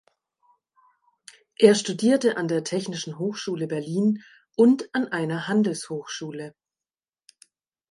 Er studierte an der Technischen Hochschule Berlin und an einer Handelshochschule.